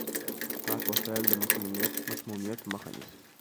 پاک وسايل د مسموميت مخه نيسي.